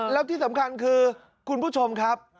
แล้วที่สำคัญคือคุณผู้ชมครับ